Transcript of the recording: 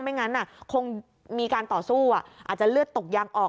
ไม่งั้นคงมีการต่อสู้อาจจะเลือดตกยางออก